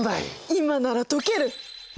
今なら解ける！